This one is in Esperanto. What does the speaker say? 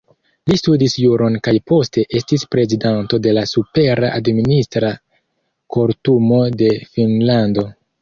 Li studis juron kaj poste estis prezidanto de la Supera Administra Kortumo de Finnlando.